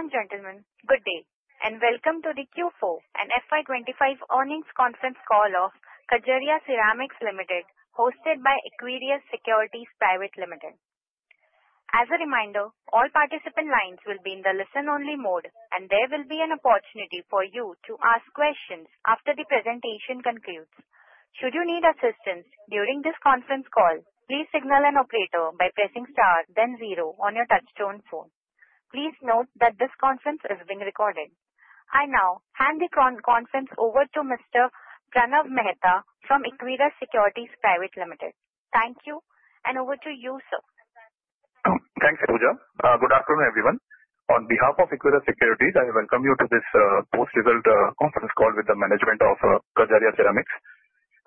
Ladies and gentlemen, good day, and welcome to the Q4 and FY25 Earnings Conference Call of Kajaria Ceramics Limited, hosted by Equirus Securities Pvt. Ltd. As a reminder, all participant lines will be in the listen-only mode, and there will be an opportunity for you to ask questions after the presentation concludes. Should you need assistance during this conference call, please signal an operator by pressing star, then zero on your touch-tone phone. Please note that this conference is being recorded. I now hand the conference over to Mr. Pranav Mehta from Equirus Securities Pvt. Ltd. Thank you, and over to you, sir. Thanks, Aruja. Good afternoon, everyone. On behalf of Equirus Securities, I welcome you to this post-result conference call with the management of Kajaria Ceramics.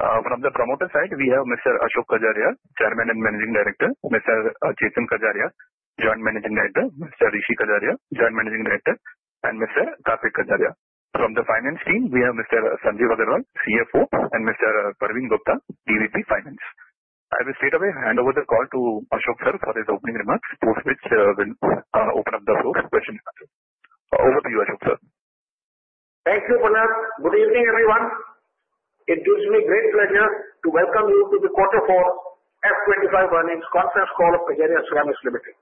From the promoter side, we have Mr. Ashok Kajaria, Chairman and Managing Director, Mr. Chetan Kajaria, Joint Managing Director, Mr. Rishi Kajaria, Joint Managing Director, and Mr. Kartik Kajaria. From the finance team, we have Mr. Sanjeev Agarwal, CFO, and Mr. Praveen Gupta, DVP Finance. I will straight away hand over the call to Ashok sir for his opening remarks, post which we'll open up the floor for questions and answers. Over to you, Ashok sir. Thank you, Pranav. Good evening, everyone. It gives me great pleasure to welcome you to the Q4 FY25 Earnings Conference Call of Kajaria Ceramics Limited.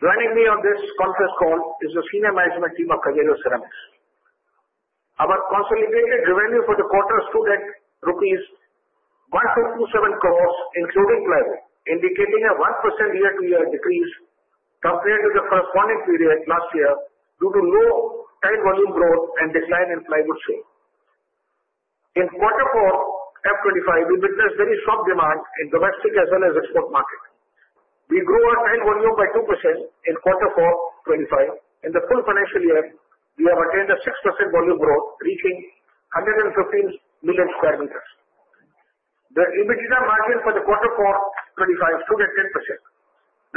Joining me on this conference call is the senior management team of Kajaria Ceramics. Our consolidated revenue for the quarter stood at rupees 1,227 crores, including plywood, indicating a 1% year-to-year decrease compared to the corresponding period last year due to low tile volume growth and decline in plywood sale. In Q4 FY25, we witnessed very strong demand in domestic as well as export market. We grew our tile volume by 2% in Q4 FY25. In the full financial year, we have attained a 6% volume growth, reaching 115 million sq m. The EBITDA margin for Q4 FY25 stood at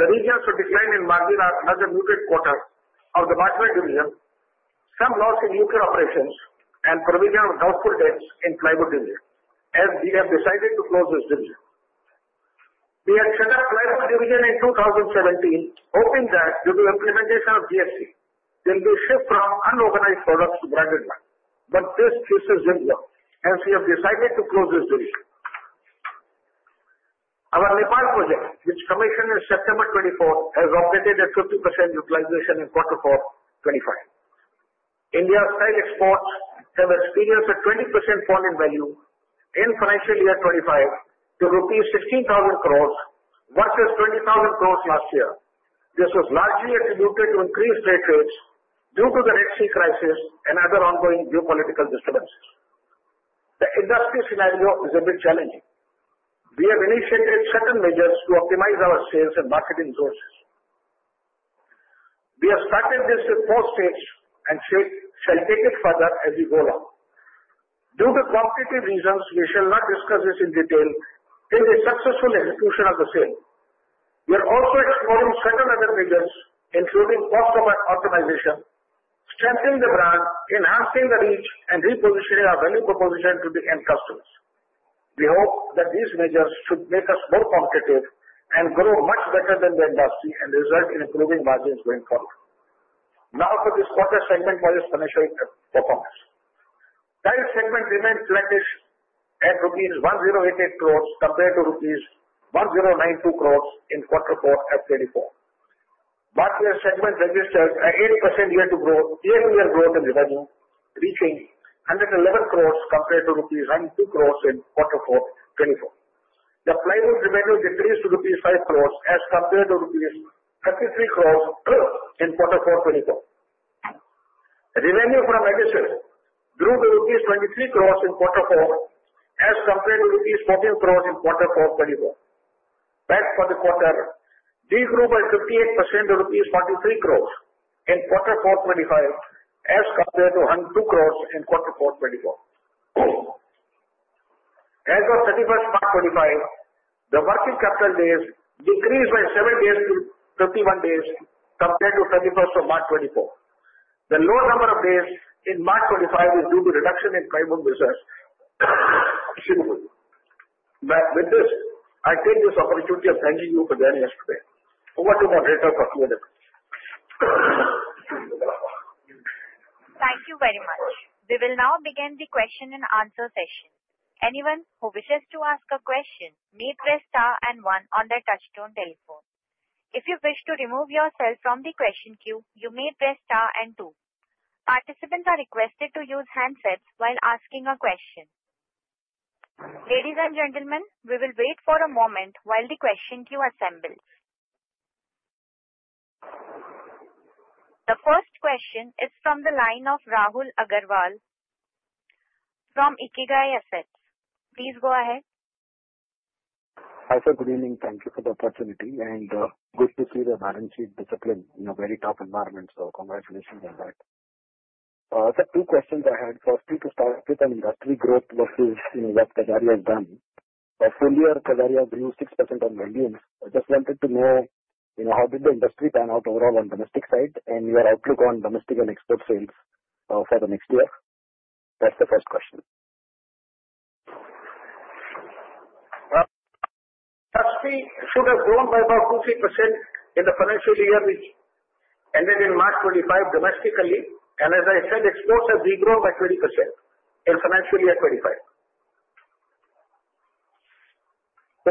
10%. The reasons for decline in margin are another muted quarter of the Bathware division, some loss in UK operations, and provision of doubtful debts in plywood division, as we have decided to close this division. We had set up plywood division in 2017, hoping that due to implementation of GST, there will be a shift from unorganized products to branded line. But this didn't sit well, and we have decided to close this division. Our Nepal project, which commissioned in September 2024, has operated at 50% utilization in Q4 FY25. India's tile exports have experienced a 20% fall in value in financial year 2025 to rupees 16,000 crores versus 20,000 crores last year. This was largely attributed to increased trade rates due to the Red Sea crisis and other ongoing geopolitical disturbances. The industry scenario is a bit challenging. We have initiated certain measures to optimize our sales and marketing resources. We have started this with four states and shall take it further as we go along. Due to competitive reasons, we shall not discuss this in detail in the successful execution of the same. We are also exploring certain other measures, including cost-optimization, strengthening the brand, enhancing the reach, and repositioning our value proposition to the end customers. We hope that these measures should make us more competitive and grow much better than the industry and result in improving margins going forward. Now for this quarter segment-wise financial performance. Tile segment remained flattish at rupees 1,088 crores compared to rupees 1,092 crores in Q4 F24. But the segment registered an 8% year-to-year growth in revenue, reaching 111 crores compared to rupees 102 crores in Q4 F24. The plywood revenue decreased to INR 5 crores as compared to rupees 33 crores in Q4 FY24. Revenue from Adhesives grew to rupees 23 crores in Q4 FY25 as compared to rupees 14 crores in Q4 FY24. But for the quarter, we grew by 58% to 43 crores rupee in Q4 FY25 as compared to 102 crores in Q4 FY24. As of 31st March 2025, the working capital days decreased by 7 days to 31 days compared to 31st of March 2024. The low number of days in March 2025 is due to reduction in plywood business. With this, I take this opportunity of thanking you for joining us today. Over to moderator for a few minutes. Thank you very much. We will now begin the question-and-answer session. Anyone who wishes to ask a question may press star and one on their touch-tone telephone. If you wish to remove yourself from the question queue, you may press star and two. Participants are requested to use handsets while asking a question. Ladies and gentlemen, we will wait for a moment while the question queue assembles. The first question is from the line of Rahul Agarwal from Ikigai Asset Management. Please go ahead. Hi sir, good evening. Thank you for the opportunity. And good to see the balance sheet discipline in a very tough environment, so congratulations on that. Sir, two questions I had. Firstly, to start with, on industry growth versus what Kajaria has done. For four years, Kajaria grew 6% on volume. I just wanted to know how did the industry pan out overall on domestic side and your outlook on domestic and export sales for the next year. That's the first question. Industry should have grown by about 2-3% in the financial year which ended in March 2025 domestically, and as I said, exports have regrown by 20% in financial year 2025.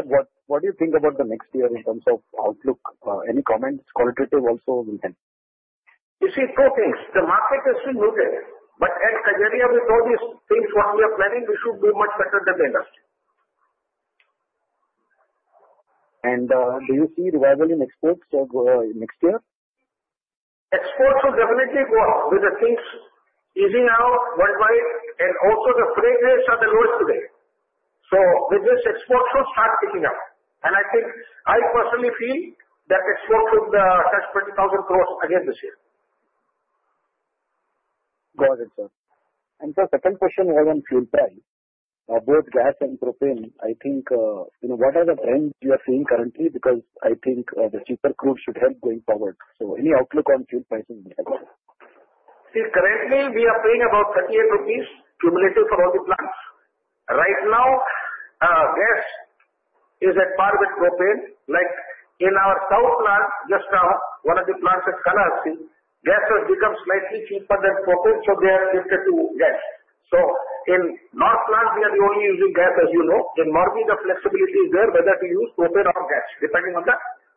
Sir, what do you think about the next year in terms of outlook? Any comments? Qualitative also will help. You see, two things. The market has been muted, but at Kajaria, with all these things, what we are planning, we should do much better than the industry. Do you see revival in exports next year? Exports will definitely go up with the things easing out worldwide, and also the freight rates are the lowest today. So with this, exports should start picking up, and I think I personally feel that exports should touch 20,000 crores again this year. Go ahead, sir. And sir, second question was on fuel price. Both gas and propane, I think what are the trends you are seeing currently? Because I think the cheaper crude should help going forward. So any outlook on fuel prices? See, currently, we are paying about 38 rupees cumulative for all the plants. Right now, gas is at par with propane. Like in our south plant, just now, one of the plants, Kannur, Kerala, gas has become slightly cheaper than propane, so they have shifted to gas. So in north plant, we are the only using gas, as you know. In north, the flexibility is there whether to use propane or gas, depending on the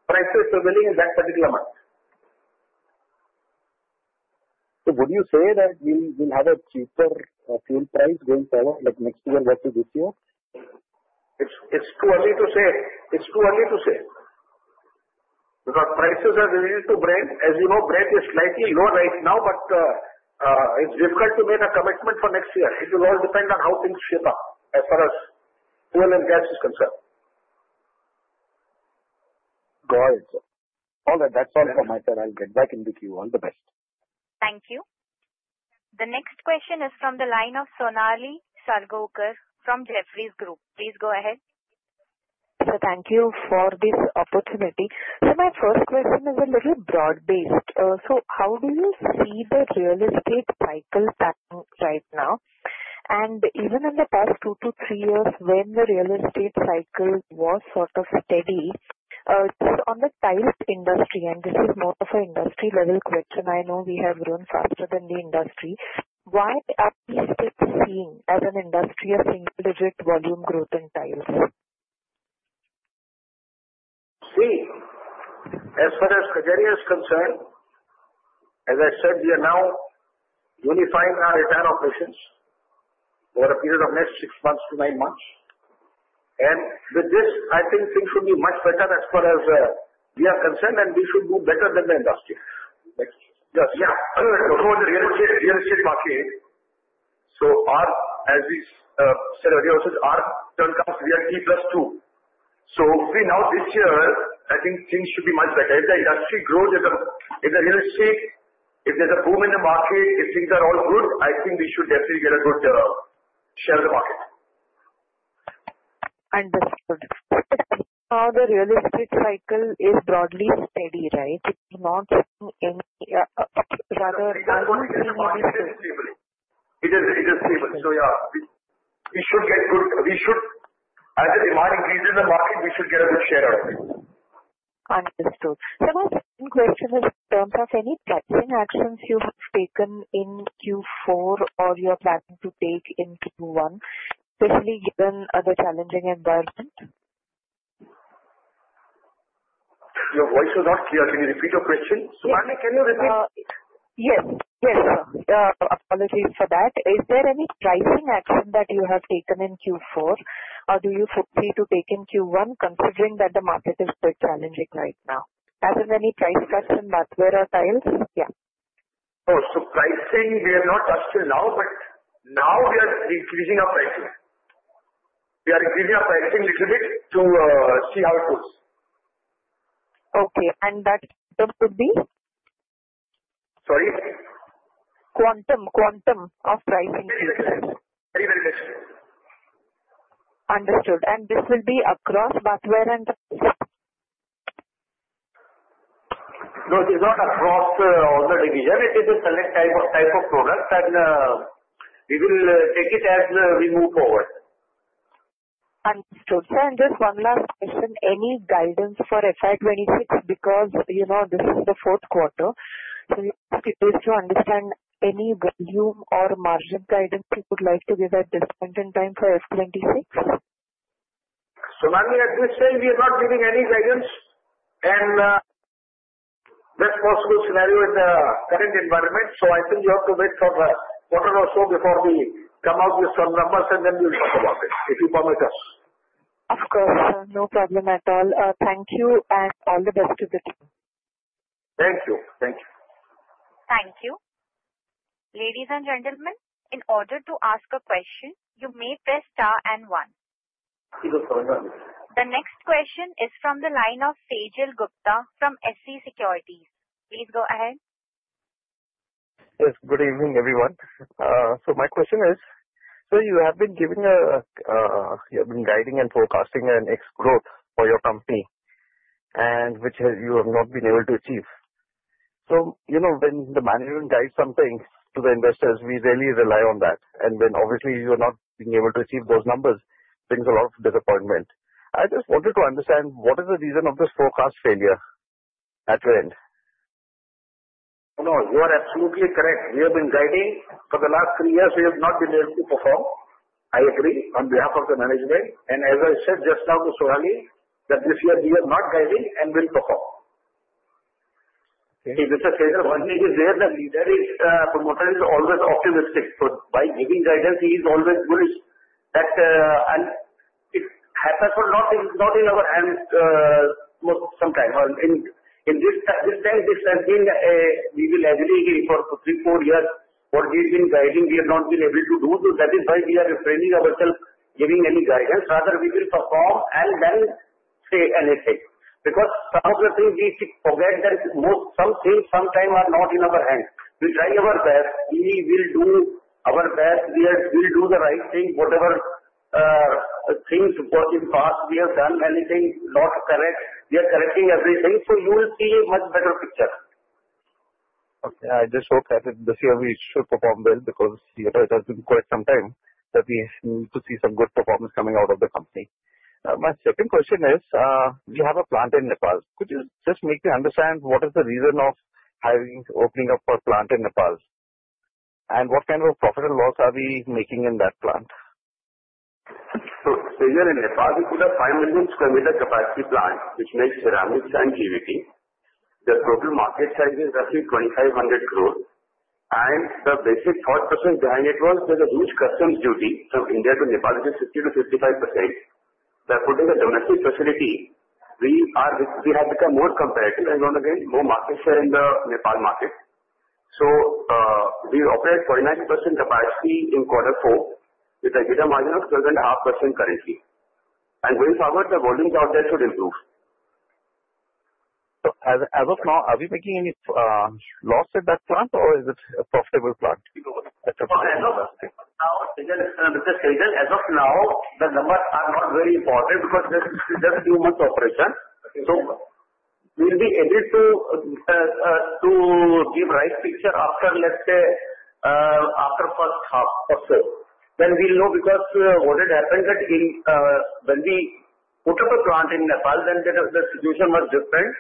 prices prevailing in that particular market. So would you say that we will have a cheaper fuel price going forward, like next year versus this year? It's too early to say. Because prices have revolved around Brent. As you know, Brent is slightly low right now, but it's difficult to make a commitment for next year. It will all depend on how things shape up as far as fuel and gas is concerned. Go ahead, sir. All right, that's all for my side. I'll get back into queue. All the best. Thank you. The next question is from the line of Sonali Salgaonkar from Jefferies Group. Please go ahead. Sir, thank you for this opportunity. Sir, my first question is a little broad-based. So how do you see the real estate cycle right now? And even in the past two to three years, when the real estate cycle was sort of steady, just on the tile industry, and this is more of an industry-level question, I know we have grown faster than the industry, why are we still seeing, as an industry, a single-digit volume growth in tiles? See, as far as Kajaria is concerned, as I said, we are now unifying our retail operations over a period of next six months to nine months, and with this, I think things should be much better as far as we are concerned, and we should do better than the industry. Yes. Yeah. For the real estate market, so as we said earlier, our turn comes realty plus two, so see, now this year, I think things should be much better. If the industry grows, if the real estate, if there's a boom in the market, if things are all good, I think we should definitely get a good share of the market. Understood. How the real estate cycle is broadly steady, right? It's not seeing any rather. It is stable. It is stable. So yeah, we should get good. As the demand increases in the market, we should get a good share out of it. Understood. Sir, my second question is in terms of any pricing actions you have taken in Q4 or you are planning to take in Q1, especially given the challenging environment. Your voice was not clear. Can you repeat your question? So, Sonali, can you repeat? Yes. Yes, sir. Apologies for that. Is there any pricing action that you have taken in Q4, or do you foresee to take in Q1, considering that the market is quite challenging right now? As in any price cuts in bathware or tiles? Yeah. Oh, so pricing, we are not touched till now, but now we are increasing our pricing. We are increasing our pricing a little bit to see how it goes. Okay. And that quantum could be? Sorry? Quantum of pricing. Very well. Very well. Understood. And this will be across bathware and tiles? No, it's not across all the division. It is a select type of product, and we will take it as we move forward. Understood. Sir, just one last question. Any guidance for FY26? Because this is the fourth quarter. So just in case to understand, any volume or margin guidance you would like to give at this point in time for FY26? So, Sonali, at this stage, we are not giving any guidance. And best possible scenario is the current environment. So I think we have to wait for a quarter or so before we come out with some numbers, and then we'll talk about it, if you permit us. Of course, sir. No problem at all. Thank you, and all the best to the team. Thank you. Thank you. Thank you. Ladies and gentlemen, in order to ask a question, you may press star and one. The next question is from the line of Sejal Gupta from SC Securities. Please go ahead. Yes, good evening, everyone. My question is, sir, you have been guiding and forecasting an ex growth for your company, which you have not been able to achieve. When the management guides something to the investors, we really rely on that. And when obviously you are not being able to achieve those numbers, it brings a lot of disappointment. I just wanted to understand, what is the reason of this forecast failure at the end? No, you are absolutely correct. We have been guiding for the last three years. We have not been able to perform. I agree on behalf of the management, and as I said just now to Sonali, that this year we are not guiding and will perform. See, Kajaria Ceramics is there. The leader is portrayed as always optimistic. So by giving guidance, he is always bullish, and it happens or not, it's not in our hands sometimes. In this time, this has been a we will agree for three, four years what we've been guiding. We have not been able to do. So that is why we are refraining ourselves from giving any guidance. Rather, we will perform and then say anything. Because some of the things we forget that some things sometimes are not in our hands. We try our best. We will do our best. We will do the right thing. Whatever things in the past we have done, anything, not correct, we are correcting everything. So you will see a much better picture. Okay. I just hope that this year we should perform well because it has been quite some time that we need to see some good performance coming out of the company. My second question is, we have a plant in Nepal. Could you just make me understand what is the reason of opening up for a plant in Nepal? And what kind of profit and loss are we making in that plant? Here in Nepal, we put a 5 million square meter capacity plant, which makes ceramics and PVT. The total market size is roughly 2,500 crores. The basic thought process behind it was there's a huge customs duty from India to Nepal, which is 50%-55%. By putting a domestic facility, we have become more competitive and, once again, more market share in the Nepal market. We operate 49% capacity in quarter four with a yield margin of 12.5% currently. Going forward, the volumes out there should improve. As of now, are we making any loss at that plant, or is it a profitable plant? As of now, Mr. Sejal, as of now, the numbers are not very important because this is just a few months operation. So we'll be able to give a right picture after, let's say, after first half of four. Then we'll know because what had happened that when we put up a plant in Nepal, then the situation was different.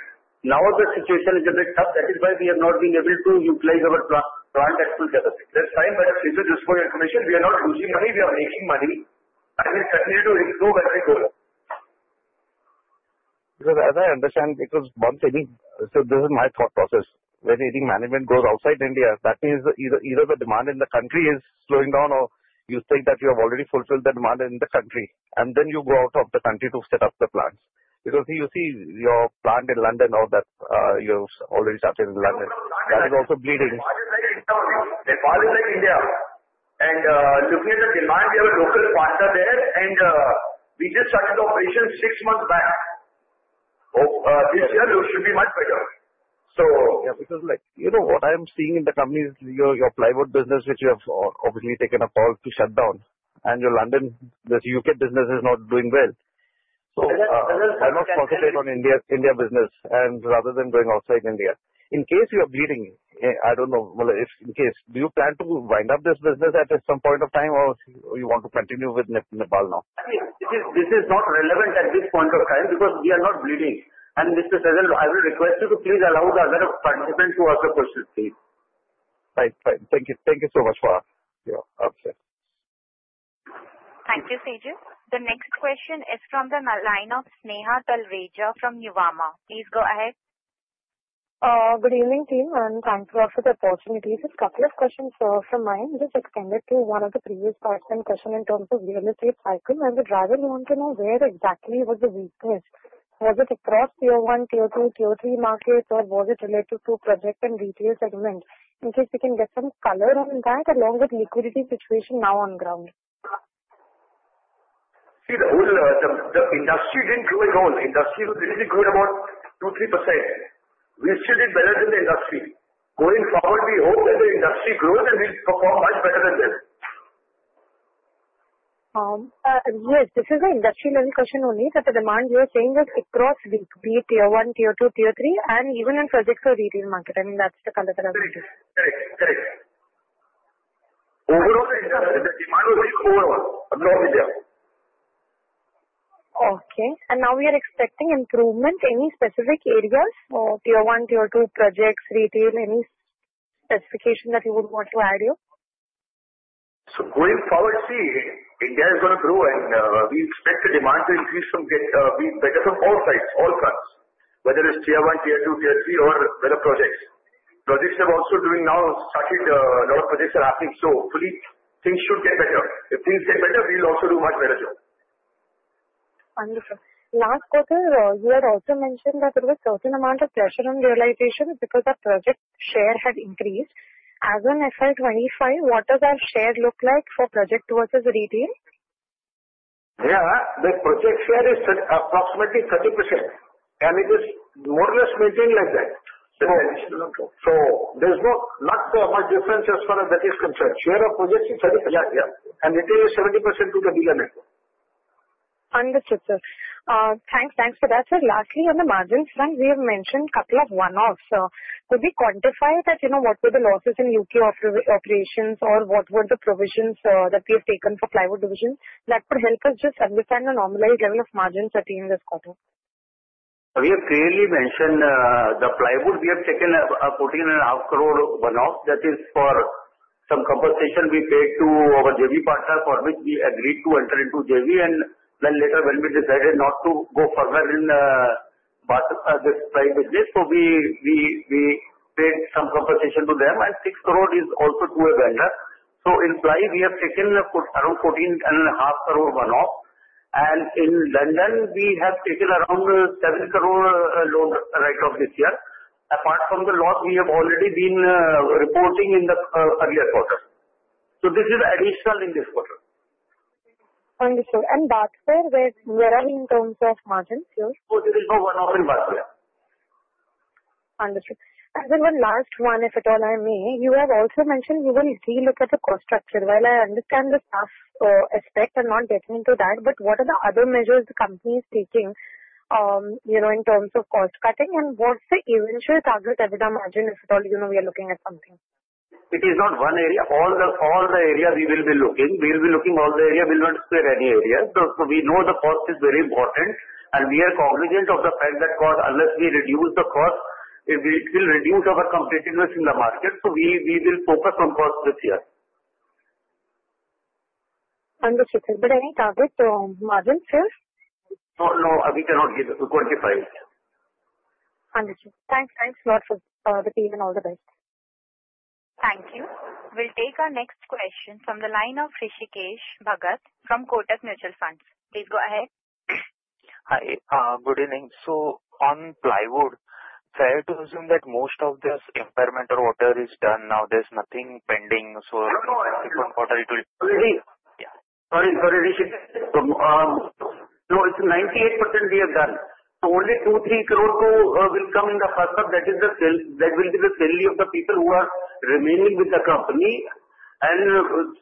Now the situation is a bit tough. That is why we have not been able to utilize our plant at full capacity. That's fine, but if you just go to information, we are not losing money. We are making money. That is certainly to improve every quarter. Sir, as I understand, because this is my thought process. When any management goes outside India, that means either the demand in the country is slowing down, or you think that you have already fulfilled the demand in the country, and then you go out of the country to set up the plants. Because you see your plant in London or that you've already started in London. That is also bleeding. Nepal is like India, and looking at the demand, we have a local partner there, and we just started the operation six months back. This year should be much better. Yeah, because what I am seeing in the company is your plywood business, which you have obviously taken a call to shut down. And your London UK business is not doing well. So I must concentrate on India business and rather than going outside India. In case you are bleeding, I don't know, in case, do you plan to wind up this business at some point of time, or you want to continue with Nepal now? I mean, this is not relevant at this point of time because we are not bleeding. And Mr. Sejal, I will request you to please allow the other participants to ask a question, please. Right. Right. Thank you. Thank you so much for your answer. Thank you, Sejal. The next question is from the line of Sneha Talreja from Nuvama. Please go ahead. Good evening, team, and thanks a lot for the opportunity. Just a couple of questions from mine. Just extended to one of the previous participant questions in terms of real estate cycle, and the driver wanted to know where exactly was the weakness. Was it across Tier 1, Tier 2, Tier 3 markets, or was it related to project and retail segment? In case we can get some color on that along with liquidity situation now on ground. See, the whole industry didn't go down. Industry was really good about 2-3%. We still did better than the industry. Going forward, we hope that the industry grows and we perform much better than them. Yes, this is an industry-level question only. But the demand you are saying is across B2B, Tier 1, Tier 2, Tier 3, and even in projects or retail market. I mean, that's the color that I'm seeing. Correct. Overall, the demand was overall. Absolutely there. Okay. And now we are expecting improvement. Any specific areas for Tier 1, Tier 2 projects, retail, any specification that you would want to add here? So going forward, see, India is going to grow, and we expect the demand to increase from get better from all sides, all fronts, whether it's Tier 1, Tier 2, Tier 3, or better projects. Projects have also been now started. A lot of projects are happening. So hopefully, things should get better. If things get better, we'll also do a much better job. Wonderful. Last quarter, you had also mentioned that there was a certain amount of pressure on realization because the project share had increased. As an FY25, what does that share look like for project versus retail? Yeah. The project share is approximately 30%. And it is more or less maintained like that. So there's not much difference as far as that is concerned. Share of project is 30%. And retail is 70% to the dealer network. Understood, sir. Thanks. Thanks for that, sir. Lastly, on the margin front, we have mentioned a couple of one-offs. Could we quantify that? What were the losses in UK operations, or what were the provisions that we have taken for plywood division? That would help us just understand the normalized level of margins at the end of this quarter. We have clearly mentioned the plywood. We have taken 14.5 crore one-off. That is for some compensation we paid to our JV partner for which we agreed to enter into JV. And then later, when we decided not to go further in this plywood business, so we paid some compensation to them. And 6 crore is also to a vendor. So in plywood, we have taken around 14.5 crore one-off. And in London, we have taken around 7 crore loan write-off this year. Apart from the loss, we have already been reporting in the earlier quarter. So this is additional in this quarter. Understood. And Bathware, where are we in terms of margins here? There is no one-off in Bathware. Understood. And then one last one, if at all I may. You have also mentioned you will relook at the cost structure. While I understand the staff aspect and not getting into that, but what are the other measures the company is taking in terms of cost cutting? And what's the eventual target EBITDA margin, if at all we are looking at something? It is not one area. All the areas we will be looking. We will not spare any area, so we know the cost is very important, and we are cognizant of the fact that unless we reduce the cost, it will reduce our competitiveness in the market, so we will focus on cost this year. Understood, sir. But any target margin still? No, no. We cannot quantify it. Understood. Thanks. Thanks a lot to the team and all the best. Thank you. We'll take our next question from the line of Rishikesh Bhagat from Kotak Mutual Funds. Please go ahead. Hi. Good evening, so on plywood, fair to assume that most of this impairment matter is done. Now there's nothing pending, so I think one quarter it will. Sorry, sorry, Rishi. No, it's 98% we have done. So only 2-3 crore will come in the first half. That will be the salary of the people who are remaining with the company. And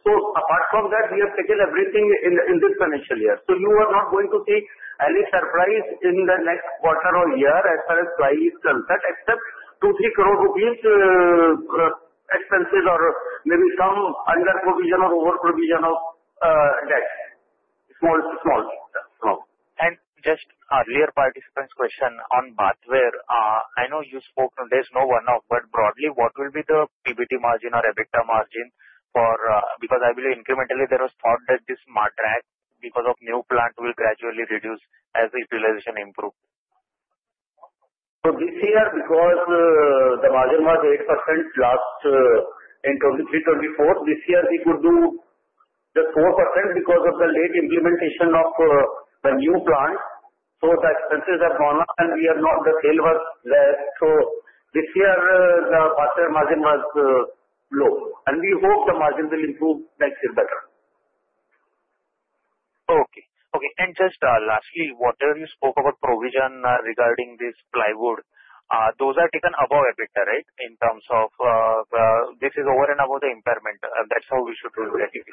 so apart from that, we have taken everything in this financial year. So you are not going to see any surprise in the next quarter or year as far as P&L is concerned, except 2-3 crore rupees expenses or maybe some under provision or over provision of debt. Small, small. Just earlier participant's question on Bathware. I know you spoke that there is no one-off, but broadly, what will be the PBT margin or EBITDA margin for Bathware because I believe incrementally there was thought that this might drag because of new plant will gradually reduce as the utilization improves. So this year, because the margin was 8% last in 2024, this year we could do just 4% because of the late implementation of the new plant. So the expenses have gone up, and we have not the sale was there. So this year, the Bathware margin was low. And we hope the margin will improve next year better. Okay. Okay. And just lastly, whatever you spoke about provision regarding this plywood, those are taken above EBITDA, right, in terms of this is over and above the impairment. That's how we should look at it.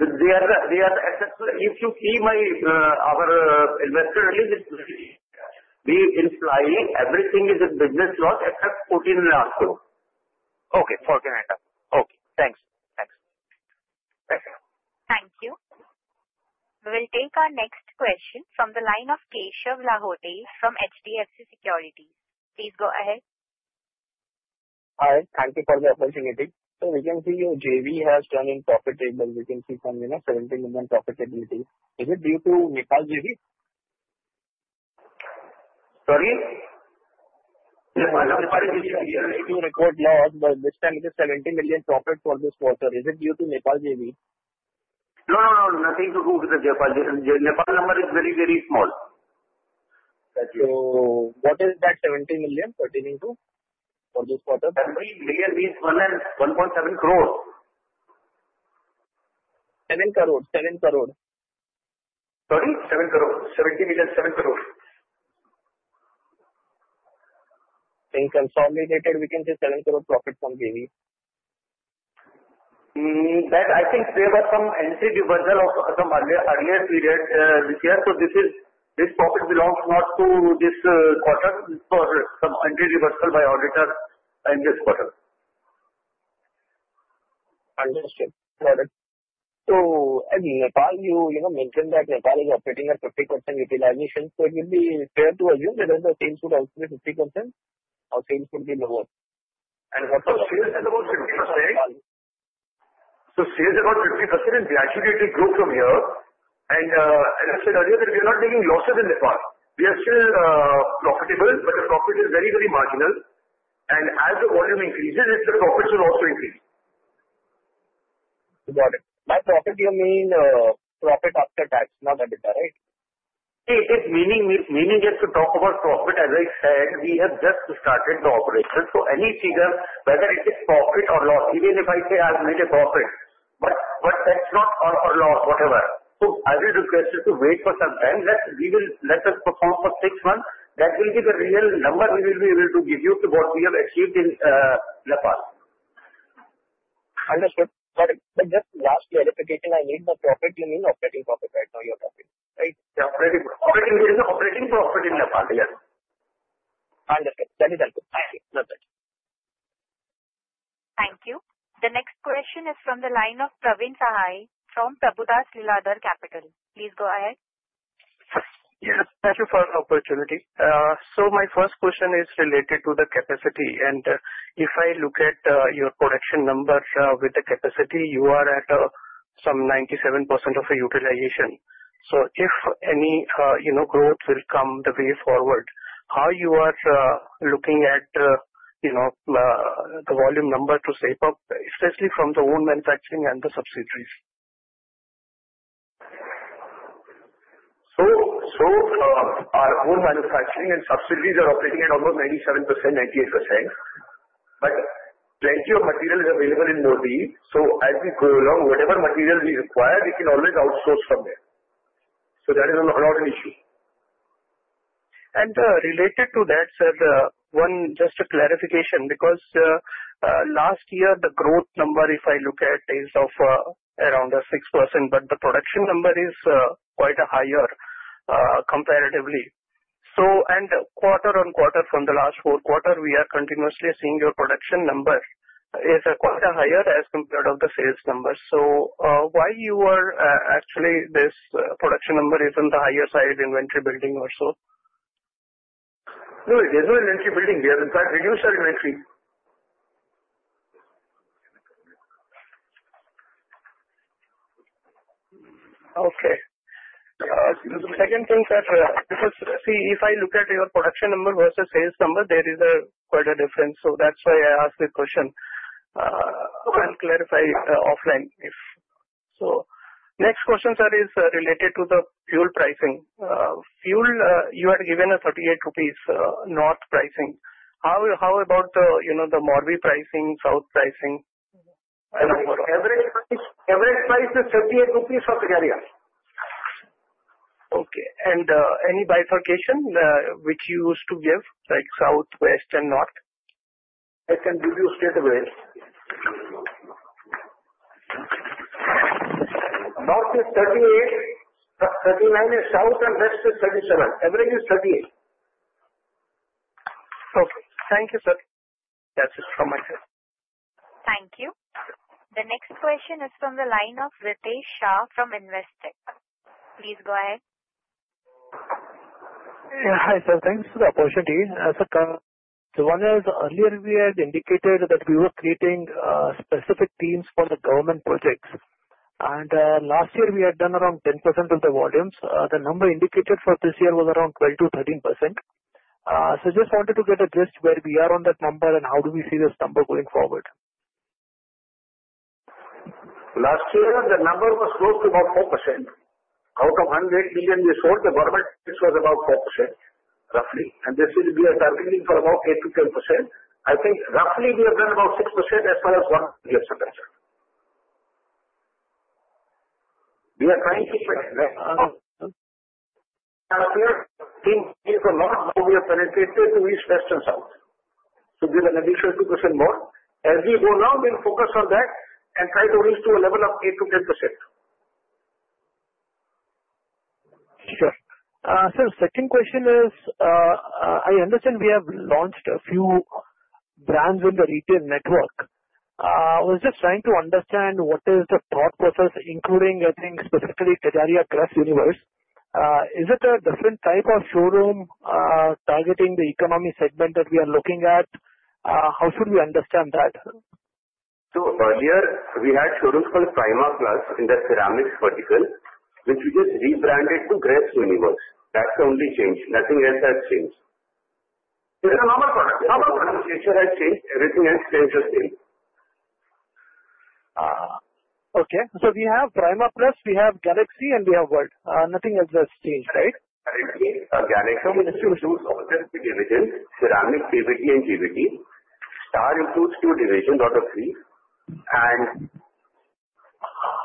They are except. If you see our investor release, we in PI, everything is in business loss except Rs 14.5 crore. Okay. 14 and a half. Okay. Thanks. Thanks. Thank you. We will take our next question from the line of Keshav Lahote from HDFC Securities. Please go ahead. Hi. Thank you for the opportunity. So we can see your JV has turned profitable. We can see some 17 million profitability. Is it due to Nepal JV? Sorry? Nepal JV. We used to record loss, but this time it is 17 million profit for this quarter. Is it due to Nepal JV? No, no, no. Nothing to do with the Nepal JV. Nepal number is very, very small. Got you. What is that 17 million pertaining to for this quarter? Every million means 1.7 crore. 7 crore. 7 crore. Sorry? 7 crore. 70 million. 7 crore. In consolidated, we can say 7 crore profit from JV. That, I think there was some entry reversal of the earlier period this year. So this profit belongs not to this quarter for some entry reversal by auditor in this quarter. Understood. Got it. So Nepal, you mentioned that Nepal is operating at 50% utilization. So it would be fair to assume that as the sales would also be 50%, our sales would be lower. What about sales at about 50%? Sales about 50% and gradually it will grow from here. As I said earlier, we are not making losses in Nepal. We are still profitable, but the profit is very, very marginal. As the volume increases, the profits will also increase. Got it. By profit, you mean profit after tax, not EBITDA, right? It is meaningless to talk about profit. As I said, we have just started the operation. So any figure, whether it is profit or loss, even if I say I've made a profit, but that's not our loss, whatever. So I will request you to wait for some time. Let us perform for six months. That will be the real number we will be able to give you to what we have achieved in Nepal. Understood. Got it. But just last clarification, I need the profit. You mean operating profit right now, your profit, right? Yeah. Operating profit in Nepal, yes. Understood. That is helpful. Thank you. That's it. Thank you. The next question is from the line of Praveen Sahay from Prabhudas Lilladher. Please go ahead. Yes. Thank you for the opportunity. So my first question is related to the capacity. And if I look at your production number with the capacity, you are at some 97% of the utilization. So if any growth will come the way forward, how are you looking at the volume number to shape up, especially from the own manufacturing and the subsidiaries? Our own manufacturing and subsidiaries are operating at almost 97%, 98%. But plenty of material is available in Morbi. So as we go along, whatever material we require, we can always outsource from there. So that is not an issue. And related to that, sir, just a clarification, because last year, the growth number, if I look at, is of around 6%, but the production number is quite higher comparatively. And quarter on quarter from the last four quarters, we are continuously seeing your production number is quite higher as compared to the sales numbers. So why you are actually this production number is on the higher side inventory building or so? No, it is no inventory building. We have, in fact, reduced our inventory. Okay. The second thing, sir, because see, if I look at your production number versus sales number, there is quite a difference. So that's why I asked the question. I'll clarify offline. So next question, sir, is related to the fuel pricing. Fuel, you had given a 38 rupees north pricing. How about the Morbi pricing, south pricing? Average price is INR 38 for the area. Okay. And any bifurcation which you used to give, like south, west, and north? I can give you straight away. North is 38, South is 39, and West is 37. Average is 38. Okay. Thank you, sir. That's it from my side. Thank you. The next question is from the line of Ritesh Shah from Investec. Please go ahead. Hi, sir. Thanks for the opportunity. Sir, the one is earlier we had indicated that we were creating specific teams for the government projects. And last year, we had done around 10% of the volumes. The number indicated for this year was around 12%-13%. So I just wanted to get addressed where we are on that number and how do we see this number going forward? Last year, the number was close to about 4%. Out of 108 million we sold, the government was about 4%, roughly. And this year, we are targeting for about 8%-10%. I think roughly we have done about 6% as far as one year's comparison. We are trying to. Okay. Team is a lot more. We have penetrated to east, west, and south. So there's an additional 2% more. As we go now, we'll focus on that and try to reach to a level of 8%-10%. Sure. Sir, the second question is, I understand we have launched a few brands in the retail network. I was just trying to understand what is the thought process, including, I think, specifically Kajaria Ceramics Universe. Is it a different type of showroom targeting the economy segment that we are looking at? How should we understand that? So earlier, we had showrooms called Prima Plus in the ceramics vertical, which we just rebranded to Ceramics Universe. That's the only change. Nothing else has changed. It's a normal product. Normal product. Initial has changed. Everything else stays the same. Okay, so we have Prima Plus, we have Galaxy, and we have World. Nothing else has changed, right? Correct. Galaxy includes all the three divisions: ceramics, PVT, and GVT. Star includes two divisions out of three. And.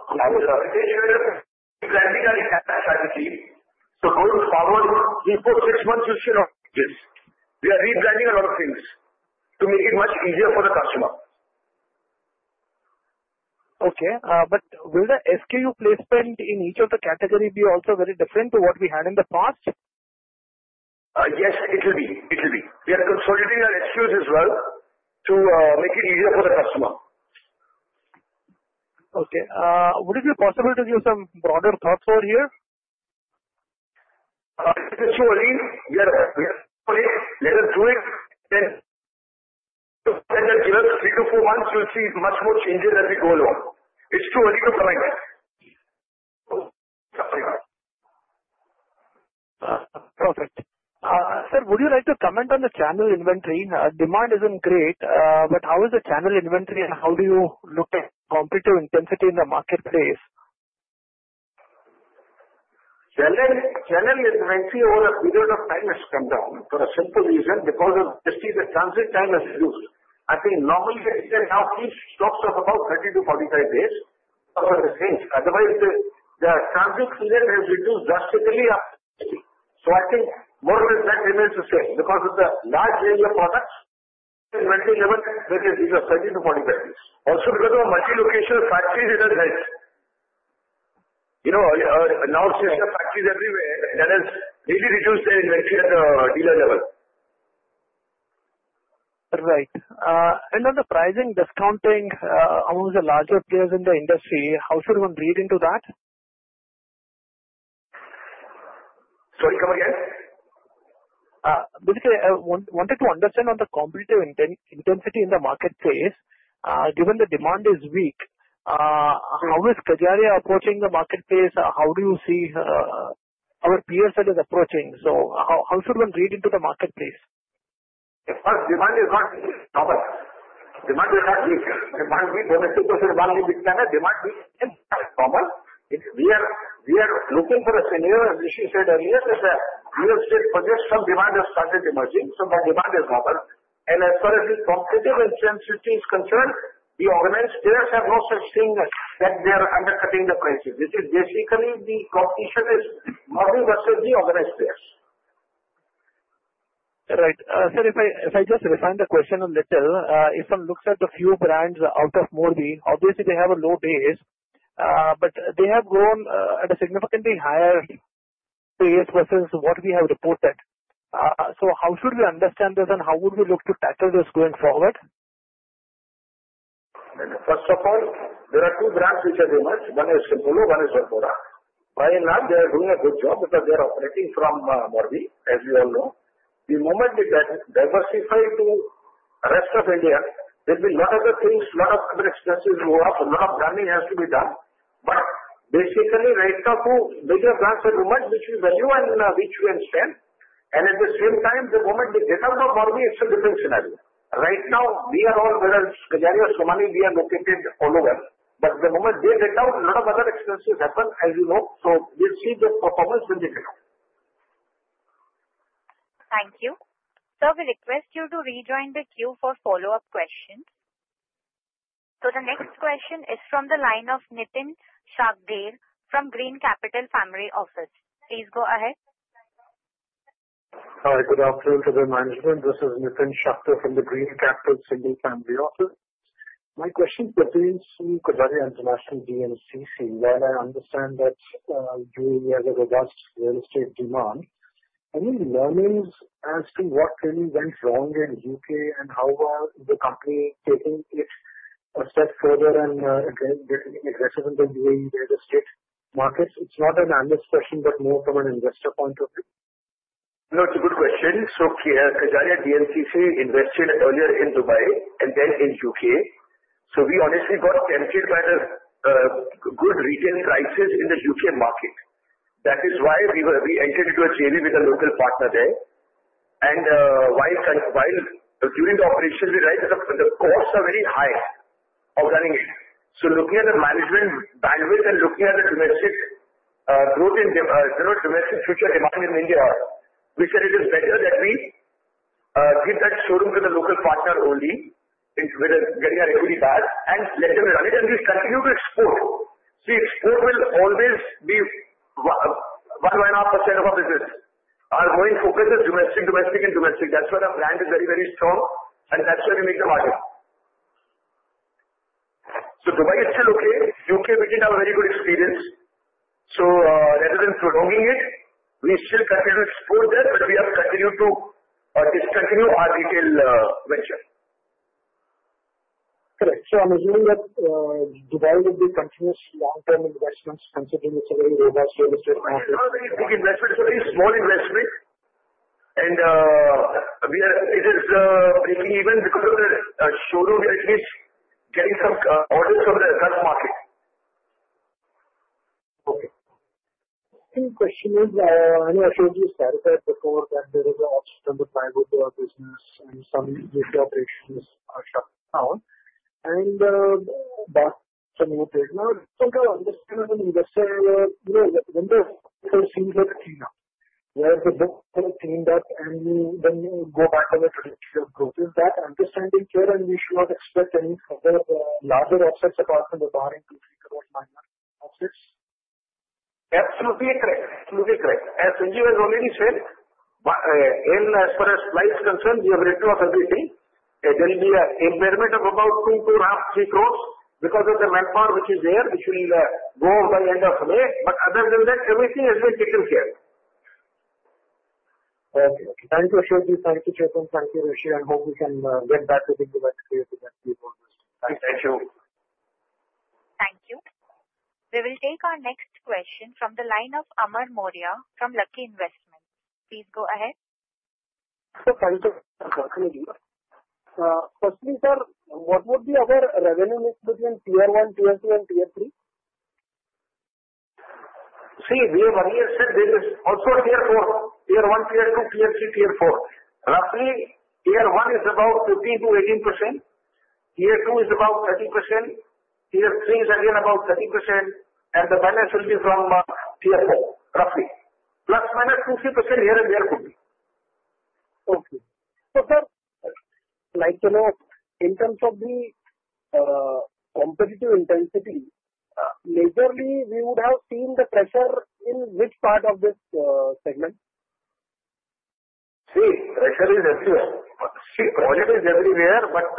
And you're rebranding a strategy. So, going forward, before six months, you should. Yes. We are rebranding a lot of things to make it much easier for the customer. Okay. But will the SKU placement in each of the categories be also very different to what we had in the past? Yes, it will be. It will be. We are consolidating our SKUs as well to make it easier for the customer. Okay. Would it be possible to give some broader thoughts over here? It's too early. We are doing it. Let us do it. Then give us three to four months. You'll see much more changes as we go along. It's too early to comment. Perfect. Sir, would you like to comment on the channel inventory? Demand isn't great, but how is the channel inventory, and how do you look at competitive intensity in the marketplace? Channel inventory over a period of time has come down for a simple reason. Because of just the transit time has reduced. I think normally the channel now keeps stocks of about 30-45 days because of the change. Otherwise, the transit period has reduced drastically. So I think more or less that remains the same because of the large area products. Inventory level has reduced 30-45 days. Also because of multi-location factories, it has helped. Now, seeing the factories everywhere, that has really reduced the inventory at the dealer level. Right. And then the pricing discounting among the larger players in the industry, how should one read into that? Sorry, come again? Basically, I wanted to understand on the competitive intensity in the marketplace. Given the demand is weak, how is Kajaria approaching the marketplace? How do you see our peers that are approaching? So how should one read into the marketplace? Demand is not normal. Demand is not weak. Demand weak only because demand is weak. It's normal. We are looking for a scenario, as Rishi said earlier, that real estate projects, some demand has started emerging. So the demand is normal, and as far as the competitive intensity is concerned, the organized players have no such thing that they are undercutting the prices. It is basically the competition is Morbi versus the organized players. Right. Sir, if I just refine the question a little, if one looks at the few brands out of Morbi, obviously they have a low base, but they have grown at a significantly higher pace versus what we have reported. So how should we understand this, and how would we look to tackle this going forward? First of all, there are two brands which are very much. One is Simpolo, one is Varmora. By and large, they are doing a good job because they are operating from Morbi, as we all know. The moment we diversify to the rest of India, there will be a lot of other things, a lot of other expenses go up, a lot of running has to be done. But basically, right now, two major brands at the moment, which we value and which we understand. And at the same time, the moment they get out of Morbi, it's a different scenario. Right now, we are all, whereas Kajaria and Somany, we are located all over. But the moment they get out, a lot of other expenses happen, as you know. So we'll see the performance when they get out. Thank you. Sir, we request you to rejoin the queue for follow-up questions. So the next question is from the line of Nitin Shakdher from Green Capital Single Family Office. Please go ahead. Hi. Good afternoon, management. This is Nitin Shakdher from the Green Capital Single Family Office. My question pertains to Kajaria International DMCC. While I understand that you have a robust real estate demand, any learnings as to what really went wrong in the UK, and how is the company taking it a step further and getting aggressive in the UAE real estate markets? It's not an honest question, but more from an investor point of view. No, it's a good question. So Kajaria Ceramics invested earlier in Dubai and then in the U.K. So we obviously got tempted by the good retail prices in the U.K. market. That is why we entered into a JV with a local partner there. And while during the operation, we realized the costs are very high of running it. So looking at the management bandwidth and looking at the domestic growth in domestic future demand in India, we said it is better that we give that showroom to the local partner only, while getting our equity back, and let them run it, and we continue to export. See, export will always be 1.5% of our business. Our main focus is domestic, domestic, and domestic. That's why the brand is very, very strong, and that's where we make the margin. So Dubai is still okay. U.K., we didn't have a very good experience. So rather than prolonging it, we still continue to export that, but we have continued to discontinue our retail venture. Correct. So I'm assuming that Dubai will be continuous long-term investments, considering it's a very robust real estate market. It's not a very big investment, it's a very small investment, and it is breaking even because of the showroom. We are at least getting some orders from the Gulf market. Okay. The second question is, I know I showed you, sir, that before that there is an offset on the Plywood business, and some UK operations are shut down. And that's a new trend. Now, I think I understand as an investor, when the offset seems like a cleanup, where the book gets cleaned up, and then you go back on the trajectory of growth, is that understanding clear, and we should not expect any further larger offsets apart from the barring to three crore line of offsets? Absolutely correct. Absolutely correct. As Rishi has already said, as far as supply is concerned, we have read through everything. There will be an impairment of about two, two and a half, three crores because of the manpower which is there, which will go by the end of May. But other than that, everything has been taken care of. Okay. Thank you, Rishi. Thank you, Chetan. Thank you, Rishi. I hope we can get back to the domestic real estate market. Thank you. Thank you. We will take our next question from the line of Amar Maurya from Lucky Investment Managers. Please go ahead. Sir, firstly, sir, what would be our revenue mix between Tier 1, Tier 2, and Tier 3? See, we have one year said there is also Tier 4. Tier 1, Tier 2, Tier 3, Tier 4. Roughly, Tier 1 is about 15%-18%. Tier 2 is about 30%. Tier 3 is again about 30%. And the balance will be from Tier 4, roughly. Plus minus 20% here and there could be. Okay. So, sir, in terms of the competitive intensity, majorly, we would have seen the pressure in which part of this segment? See, pressure is everywhere. See, project is everywhere, but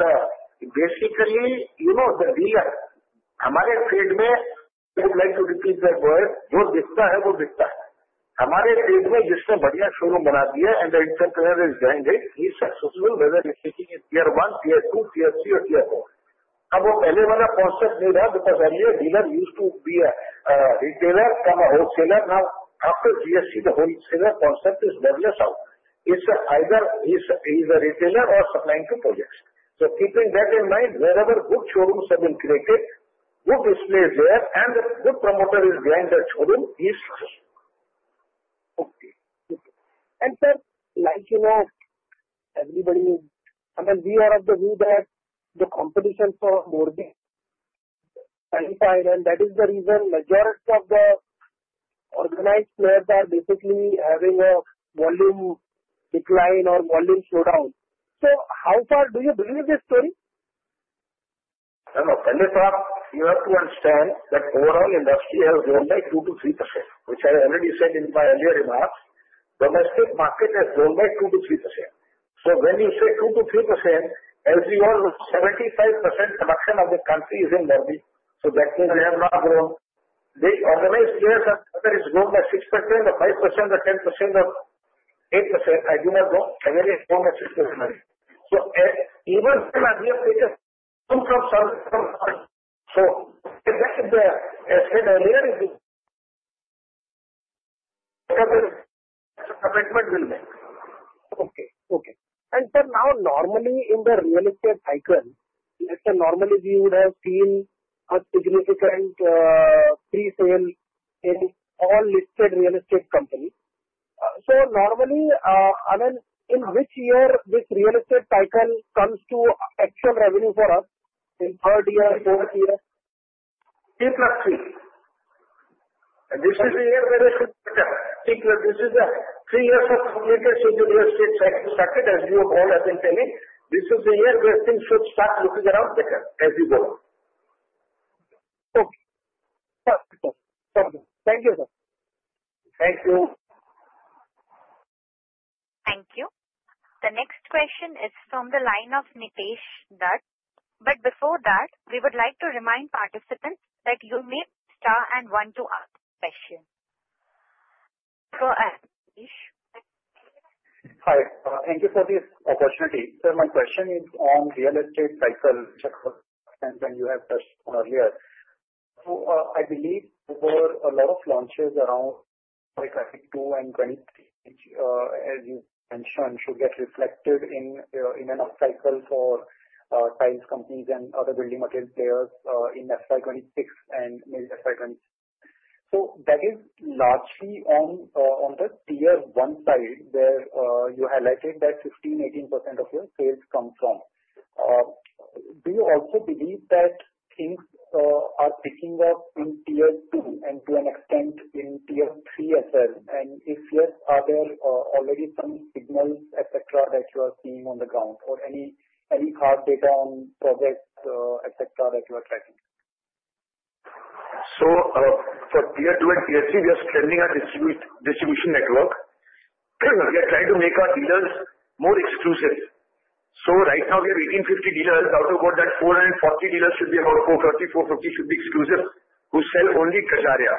basically, you know the dealer. हमारे trade में, I would like to repeat that word, जो दिखता है, वो बिकता है. हमारे trade में, जिसने बढ़िया showroom बना दिया, and the entrepreneur is behind it, he is successful, whether he is taking it Tier 1, Tier 2, Tier 3, or Tier 4. अब वो पहले वाला concept नहीं रहा, because earlier, dealer used to be a retailer, come a wholesaler. Now, after GST, the wholesaler concept is more or less out. It's either he is a retailer or supplying to projects. So keeping that in mind, wherever good showrooms have been created, good displays there, and a good promoter is behind that showroom, he is successful. Okay. And, sir, like you know, everybody, I mean, we are of the view that the competition for Morbi is high, and that is the reason majority of the organized players are basically having a volume decline or volume slowdown. So how far do you believe this story? No, no. First of all, you have to understand that overall industry has grown by 2%-3%, which I already said in my earlier remarks. Domestic market has grown by 2%-3%. So when you say 2%-3%, as we all know, 75% production of the country is in Morbi. So that means we have not grown. The organized players have either grown by 6% or 5% or 10% or 8%. I do not know. I mean, it's grown by 6%. So even when we have taken some from some. So as I said earlier, it is because of the commitment we'll make. Okay. And, sir, now, normally in the real estate cycle, let's say normally we would have seen a significant pre-sale in all listed real estate companies. So normally, I mean, in which year this real estate cycle comes to actual revenue for us? In third year, fourth year? Year plus three. This is the year where it should better. This is the three years of complications in the real estate cycle started, as you all have been telling. This is the year where things should start looking around better, as we go on. Okay. Perfect. Perfect. Thank you, sir. Thank you. Thank you. The next question is from the line of Nitesh Dutt. But before that, we would like to remind participants that you may star one to ask questions. Sir Nitesh. Hi. Thank you for this opportunity. Sir, my question is on real estate cycle and what you have touched on earlier, so I believe there were a lot of launches around 2022 and 2023, as you mentioned, should get reflected in an upcycle for tiles companies and other building materials players in FY 26 and maybe FY 27, so that is largely on the Tier 1 side where you highlighted that 15%-18% of your sales come from. Do you also believe that things are picking up in Tier 2 and to an extent in Tier 3 as well? And if yes, are there already some signals, etc., that you are seeing on the ground or any hard data on projects, etc., that you are tracking? For Tier 2 and Tier 3, we are strengthening our distribution network. We are trying to make our dealers more exclusive. Right now, we have 1,850 dealers. Out of about that, 440 dealers should be about 430-450 should be exclusive who sell only Kajaria.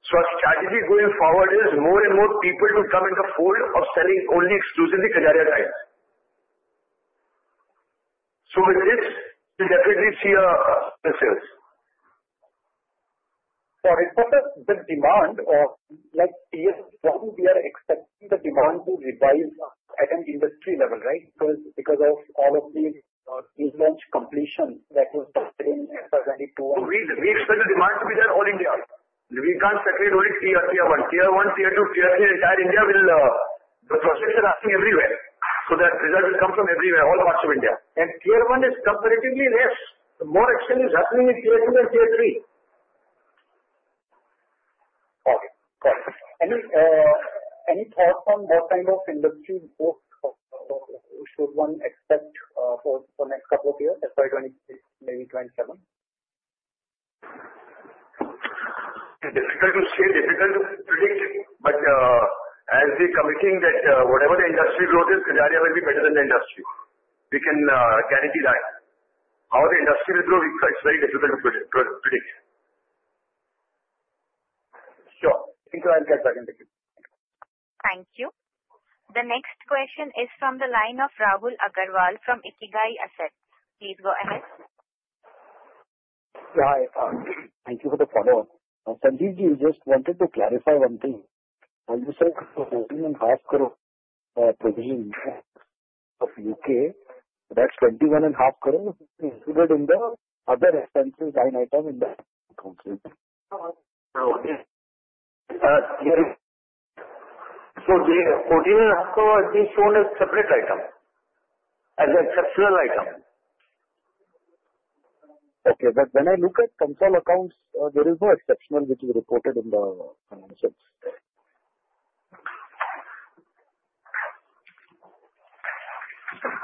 Our strategy going forward is more and more people to come into a fold of selling only exclusively Kajaria tiles. With this, we'll definitely see a sales increase. Sorry, sir, the demand of Tier 1, we are expecting the demand to revive at an industry level, right? Because of all of the real launch completions that will happen in FY 2022 and 2023. We expect the demand to be there all India. We can't separate only Tier 1. Tier 1, Tier 2, Tier 3, entire India will the projects are happening everywhere. So that result will come from everywhere, all parts of India, and Tier 1 is comparatively less. More action is happening in Tier 2 and Tier 3. Okay. Perfect. Any thoughts on what kind of industry growth should one expect for the next couple of years, FY 2026, maybe 2027? Difficult to say, difficult to predict. But as we are committing that whatever the industry growth is, Kajaria will be better than the industry. We can guarantee that. How the industry will grow, it's very difficult to predict. Sure. Thank you. I'll get back in touch with you. Thank you. The next question is from the line of Rahul Agarwal from Ikigai Asset Management. Please go ahead. Hi. Thank you for the follow-up. Sanjeev ji, we just wanted to clarify one thing. As you said, 14.5 crore provision for U.K., that's 21.5 crore included in the other expenses line item in the accounts. The INR 14.5 crore has been shown as a separate item, as an exceptional item. Okay. But when I look at consolidated accounts, there is no exceptional which is reported in the financials.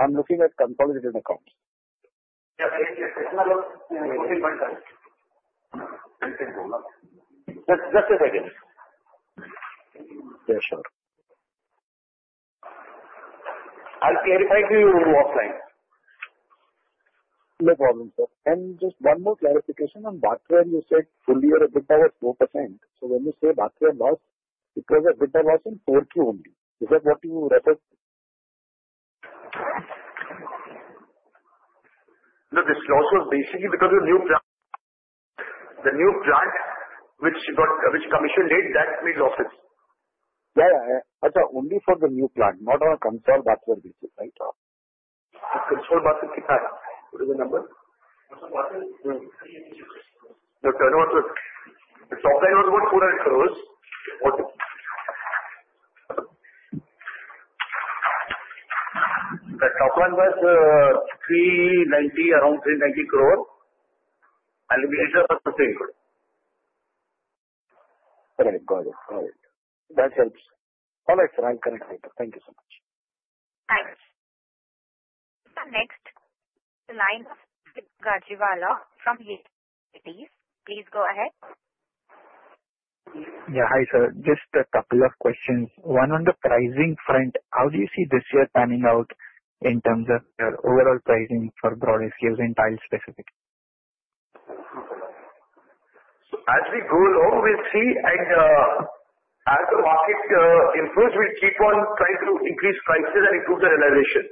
I'm looking at consolidated accounts. Yeah. Exceptional is 14.5. Just a second. Yeah, sure. I clarified to you offline. No problem, sir, and just one more clarification on Bathware. You said earlier a bit about 4%, so when you say Bathware loss, it was a bit of loss in 4Q only. Is that what you referred to? No, this loss was basically because of the new plant, which commissioned it, that made losses. Yeah, yeah. Sir, only for the new plant, not on a consolidated, standalone basis, right? The consolidated EBITDA kicked back. What is the number? The turnover was the top line was about 400 crores. The top line was 390, around 390 crore. And the volumes are the same. Got it. Got it. Got it. That helps. All right, sir. I'm coming later. Thank you so much. Thanks. The next line of Udit Gajiwala from YES Securities. Please go ahead. Yeah. Hi, sir. Just a couple of questions. One on the pricing front. How do you see this year panning out in terms of your overall pricing for broad SKUs in tiles specifically? As we go along, we'll see. And as the market improves, we'll keep on trying to increase prices and improve the realization.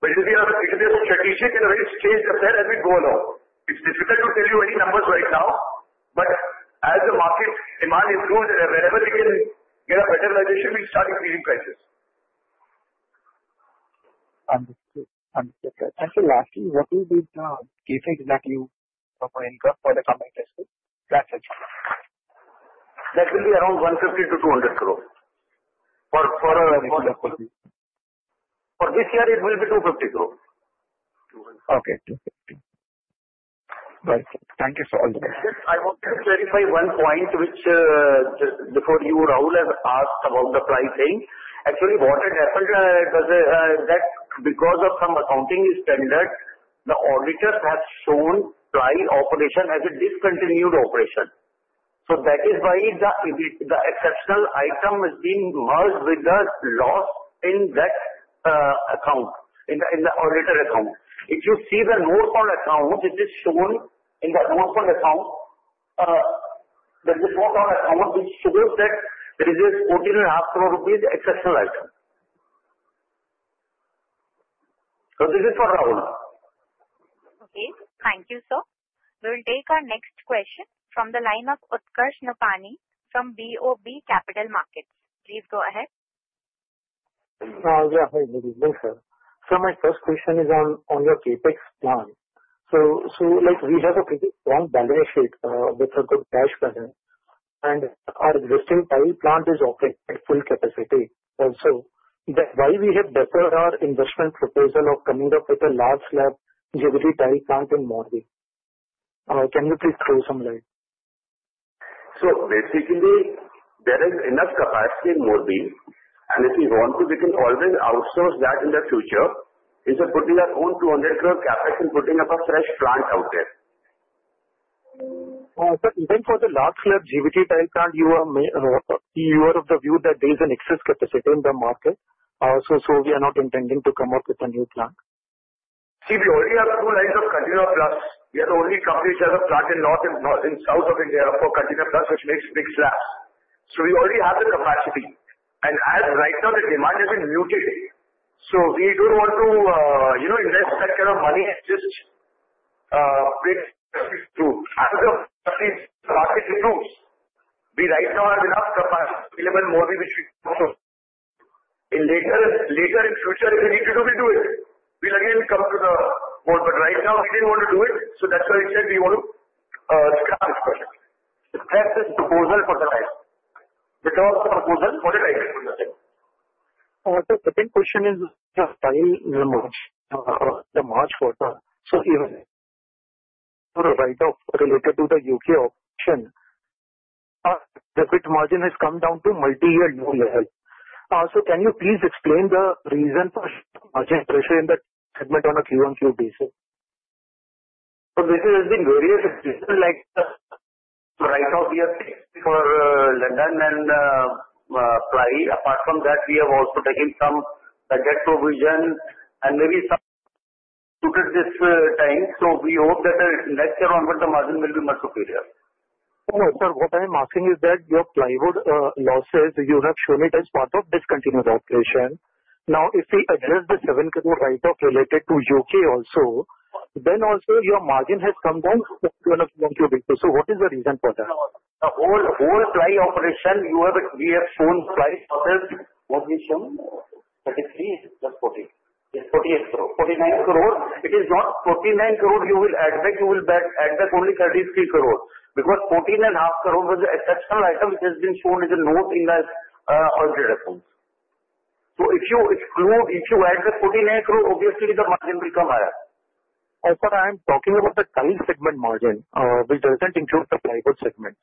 But it will be a strategic and a way to change the pair as we go along. It's difficult to tell you any numbers right now. But as the market demand improves, and whenever we can get a better realization, we'll start increasing prices. Understood. Understood. Thank you. Lastly, what will be the CapEx for the coming fiscal? That's it. That will be around 150-200 crore. For this year? For this year, it will be 250 crore. Okay. 250. Perfect. Thank you for all the questions. I wanted to clarify one point which before you, Rahul, has asked about the pricing. Actually, what it happened was that because of some accounting standards, the auditors have shown Plywood operation as a discontinued operation. So that is why the exceptional item has been merged with the loss in that account, in the audited accounts. If you see the notes to accounts, it is shown in the notes to accounts, the notes to accounts, which shows that there is 14.5 crore rupees exceptional item. So this is for Rahul. Okay. Thank you, sir. We will take our next question from the line of Utkarsh Nopany from BOB Capital Markets. Please go ahead. Yeah. Thanks, sir. Sir, my first question is on your Capex plan. So we have a pretty strong balance sheet with a good cash plan. And our existing tile plant is operating at full capacity. Also, why we have deferred our investment proposal of coming up with a large-scale GVT tile plant in Morbi? Can you please shed some light? So basically, there is enough capacity in Morbi. And if we want to, we can always outsource that in the future instead of putting our own 200 crore CapEx and putting up a fresh plant out there. Sir, even for the large-scale GVT tile plant, you were of the view that there is an excess capacity in the market, so we are not intending to come up with a new plant. See, we already have two lines of Continua Plus. We have only commissioned a plant in South India for Continua Plus, which makes big slabs. So we already have the capacity. And right now, the demand has been muted. So we don't want to invest that kind of money and just break the industry through. As the market improves, we right now have enough capacity available in Morbi, which we want to. Later in future, if we need to do, we'll do it. We'll again come to the board. But right now, we didn't want to do it. So that's why we said we want to scrap this project. Scrap this proposal for the tiles? We don't want the proposal for the tiles. Sir, second question is, sir, tile numbers, the March quarter. So even write-off related to the UK operations, the gross margin has come down to multi-year low level. So can you please explain the reason for margin pressure in that segment on a Q1, Q2 basis? So this has been various decisions like write-off we have taken for London and Plywood. Apart from that, we have also taken some budget provision and maybe some too this time. So we hope that next year onward, the margin will be much superior. No, sir. What I'm asking is that your plywood losses, you have shown it as part of discontinued operation. Now, if we address the 7 crore write-off related to U.K. also, then also your margin has come down to Q1, Q2, Q2. So what is the reason for that? The whole tile operation, we have shown tile profits. What we've shown, 33, it's just 48. It's 48 crore. 49 crore. It is not 49 crore you will add back. You will add back only 33 crore because 14.5 crore was the exceptional item which has been shown as a note in the auditor accounts. So if you exclude, if you add the INR 49 crore, obviously the margin will come higher, and sir, I am talking about the tile segment margin, which doesn't include the plywood segment.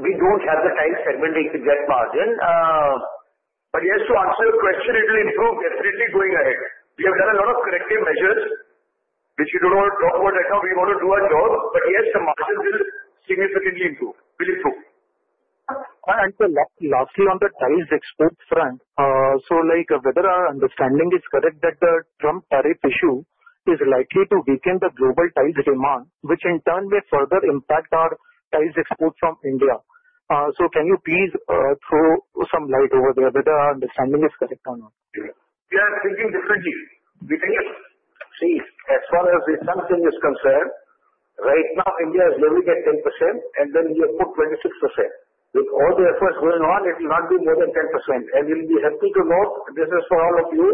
We don't have the tile segment exact margin. But yes, to answer your question, it will improve definitely going ahead. We have done a lot of corrective measures, which we don't want to talk about right now. We want to do our job. But yes, the margin will significantly improve. And, sir, lastly on the tiles export front, so whether our understanding is correct that the Trump tariff issue is likely to weaken the global tiles demand, which in turn may further impact our tiles export from India? So, can you please throw some light over there whether our understanding is correct or not? We are thinking differently. We think as far as the Trump thing is concerned, right now India is leveling at 10%, and then we have put 26%. With all the efforts going on, it will not be more than 10%. And we'll be happy to note, this is for all of you,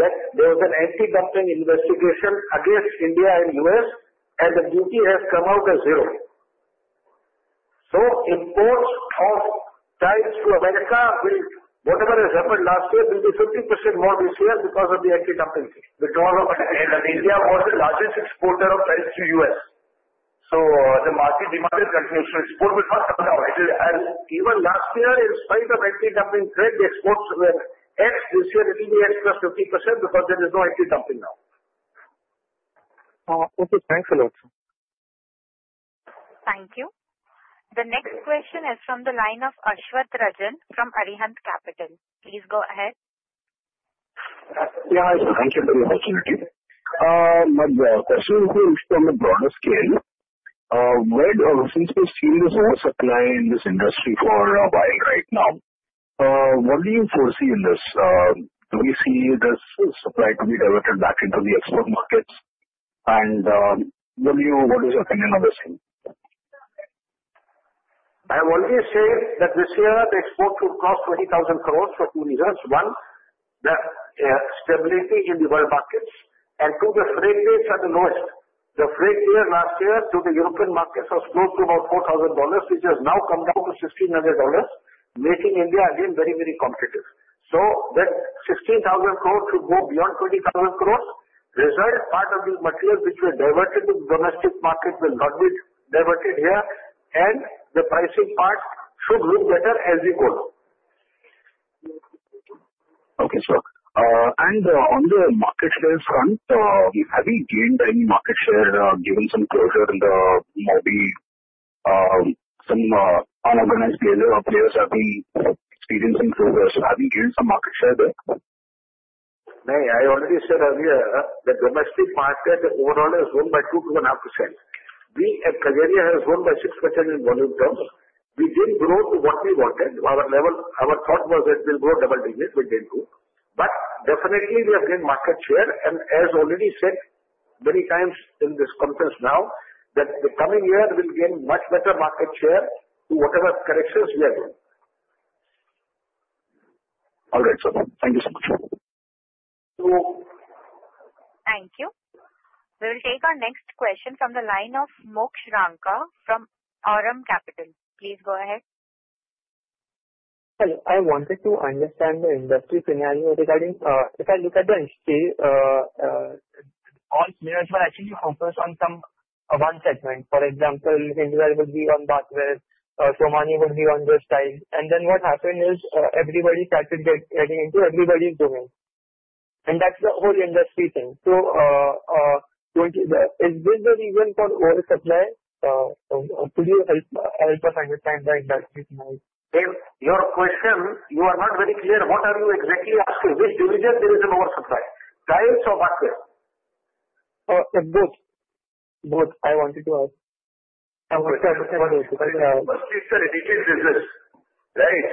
that there was an anti-dumping investigation against India and the U.S., and the duty has come out as zero. So imports of tiles to America will, whatever has happened last year, will be 50% more this year because of the anti-dumping thing. And India was the largest exporter of tiles to the U.S. So the market demanded continuation of export, which has come down. Even last year, in spite of anti-dumping threat, the exports were X. This year, it will be X plus 50% because there is no anti-dumping now. Okay. Thanks a lot, sir. Thank you. The next question is from the line of Ashvath Rajan from Arihant Capital. Please go ahead. Yeah. Hi, sir. Thank you for the opportunity. My question is on the broader scale. Since we've seen this whole supply in this industry for a while right now, what do you foresee in this? Do we see this supply to be diverted back into the export markets? And what is your opinion on this? I want to say that this year, the exports should cross 20,000 crores for two reasons: one, the stability in the world markets, and two, the freight rates are the lowest. The freight here last year to the European markets has grown to about $4,000, which has now come down to $1,600, making India again very, very competitive, so that 16,000 crores should go beyond 20,000 crores. As a result, part of these materials which were diverted to the domestic market will not be diverted here. And the pricing part should look better as we go along. Okay, sir, and on the market share front, have you gained any market share given some closure in the Morbi? Some unorganized players have been experiencing closures. Have you gained some market share there? As I already said earlier that the domestic market overall has grown by 2-2.5%. We, at Kajaria, have grown by 6% in volume terms. We didn't grow to what we wanted. Our thought was that we'll grow double digits. We didn't go. But definitely, we have gained market share. And as already said many times in this conference now, that the coming year will gain much better market share to whatever corrections we are doing. All right, sir. Thank you so much. So. Thank you. We will take our next question from the line of Moksh Ranka from Aurum Capital. Please go ahead. Hello. I wanted to understand the industry scenario regarding if I look at the industry, all players were actually focused on some one segment. For example, Kajaria would be on bathware. Somany would be on this tile. And then what happened is everybody started getting into everybody's domain. And that's the whole industry thing. So is this the reason for oversupply? Could you help us understand the industry scenario? Your question, you are not very clear. What are you exactly asking? Which division there is an oversupply? Tiles or Bathware? Both. Both. I wanted to ask. It's a related business, right?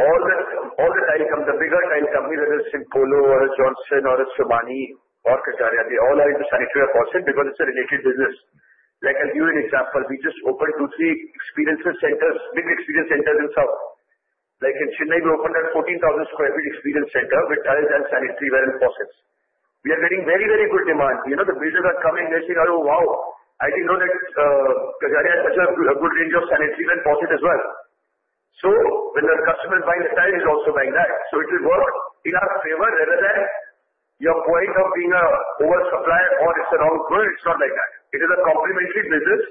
All the tile companies, the bigger tile companies, whether it's Simpolo, or it's Johnson, or it's Somany, or Kajaria, they all are into sanitaryware faucets because it's a related business. Like I'll give you an example. We just opened two or three experience centers, big experience centers in South. Like in Chennai, we opened a 14,000 sq ft experience center with tiles and sanitaryware faucets. We are getting very, very good demand. The villagers are coming and saying, "Oh, wow. I didn't know that Kajaria has such a good range of sanitaryware faucets as well." So when the customer is buying the tile, he's also buying that. So it will work in our favor rather than your point of being an oversupplier or it's a wrong word. It's not like that. It is a complementary business,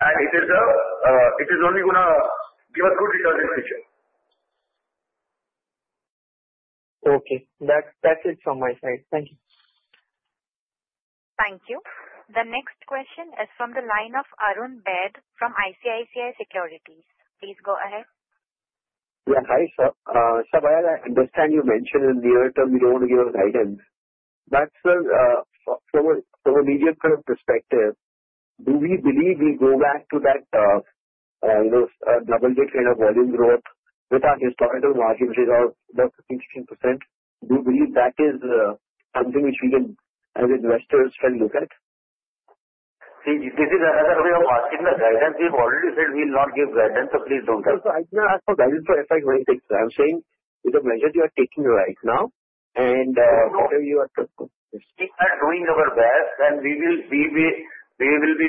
and it is only going to give us good returns in the future. Okay. That's it from my side. Thank you. Thank you. The next question is from the line of Arun Baid from ICICI Securities. Please go ahead. Yeah. Hi, sir. Sir, I understand you mentioned in the near term you don't want to give us guidance. But sir, from a medium-term perspective, do we believe we go back to that double-digit kind of volume growth with our historical margin which is about 15%-16%? Do you believe that is something which we can, as investors, try to look at? See, this is another way of asking the guidance. We've already said we'll not give guidance, so please don't ask. Sir, I didn't ask for guidance for FY26. I'm saying with the measures you are taking right now and whatever you are discussing. We are doing our best, and we will be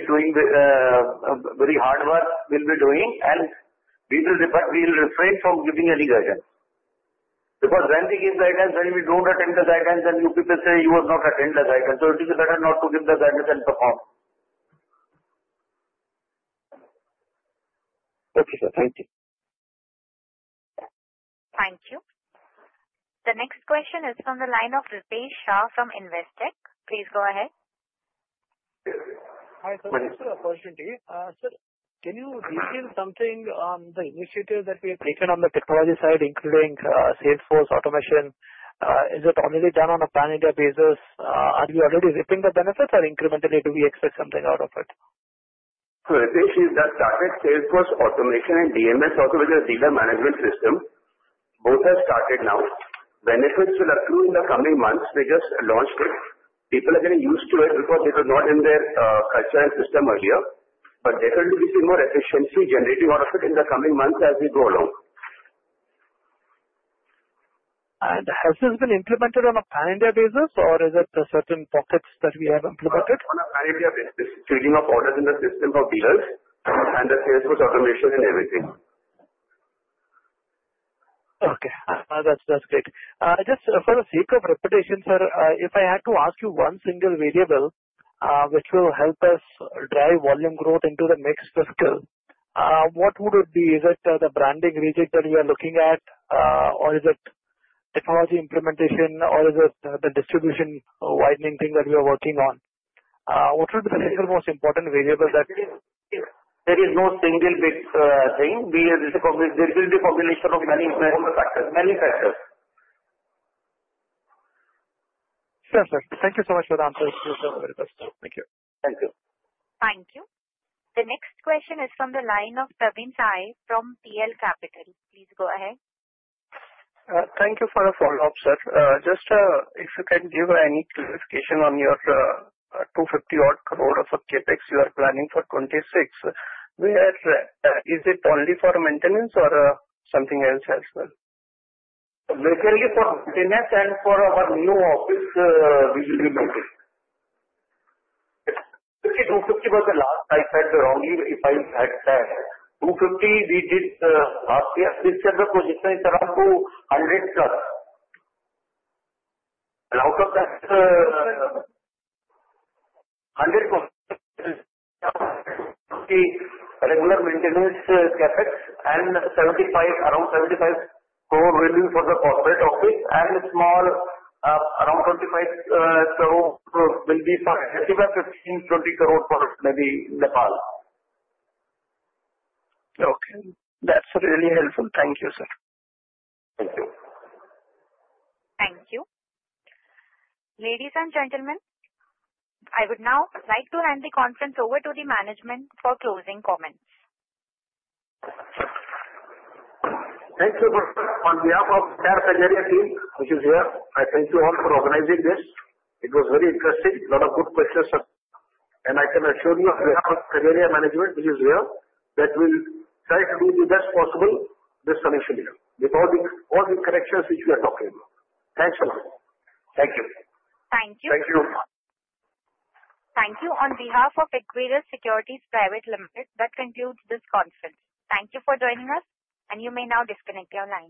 doing very hard work. We'll be doing, and we will refrain from giving any guidance. Because when we give guidance, then we don't attend the guidance, and you people say, "You have not attended the guidance." So it is better not to give the guidance and perform. Okay, sir. Thank you. Thank you. The next question is from the line of Ritesh Shah from Investec. Please go ahead. Hi, sir. My name is Ritesh Shah. Sir, can you detail something on the initiatives that we have taken on the technology side, including Salesforce Automation? Is it only done on a pan-India basis? Are we already reaping the benefits, or incrementally do we expect something out of it? So, Ritesh, we've just started Salesforce Automation and DMS, also with the dealer management system. Both have started now. Benefits will accrue in the coming months. We just launched it. People are getting used to it because it was not in their culture and system earlier. But definitely, we see more efficiency generating out of it in the coming months as we go along. And has this been implemented on a pan-India basis, or is it certain pockets that we have implemented? On a pan-India basis. Trading of orders in the system for dealers and the Salesforce automation and everything. Okay. That's great. Just for the sake of clarity, sir, if I had to ask you one single variable which will help us drive volume growth into the next fiscal, what would it be? Is it the branding reaching that we are looking at, or is it technology implementation, or is it the distribution widening thing that we are working on? What would be the single most important variable that? There is no single big thing. There will be a combination of many factors. Sure, sir. Thank you so much for the answers. You're very helpful. Thank you. Thank you. Thank you. The next question is from the line of Praveen Sahay from Prabhudas Lilladher. Please go ahead. Thank you for the follow-up, sir. Just if you can give any clarification on your 250-odd crore of CapEx you are planning for 2026, is it only for maintenance or something else as well? It's mainly for maintenance and for our new office, which will be maintenance. 250 was the last I said wrongly if I had said. 250 we did last year. This year the position is around 200 plus, and out of that, 100% regular maintenance CapEx and around 75 crore will be for the corporate office, and small, around INR 25 crore will be for 15, INR 15-20 crore for maybe Nepal. Okay. That's really helpful. Thank you, sir. Thank you. Thank you. Ladies and gentlemen, I would now like to hand the conference over to the management for closing comments. Thank you on behalf of the entire Kajaria team, which is here. I thank you all for organizing this. It was very interesting. A lot of good questions, sir. And I can assure you, on behalf of Kajaria management, which is here, that we'll try to do the best possible this financial year with all the corrections which we are talking about. Thanks a lot. Thank you. Thank you. Thank you. Thank you. On behalf of Equirus Securities Private Limited, that concludes this conference. Thank you for joining us, and you may now disconnect your line.